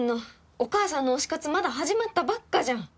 お母さんの推し活まだ始まったばっかじゃん！